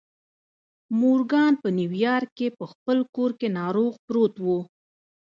مورګان په نیویارک کې په خپل کور کې ناروغ پروت و